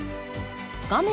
画面